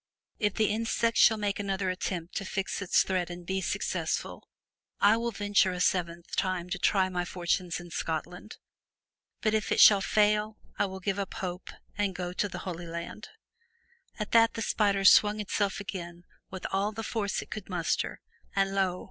If the insect shall make another effort to fix its thread and be successful, I will venture a seventh time to try my fortunes in Scotland, but if it shall fail I will give up hope and go to the Holy Land/' At that the spider swung itself again with all the force it could muster, and lo!